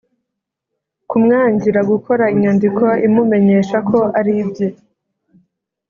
kumwangira gukora Inyandiko imumenyesha ko ari ibye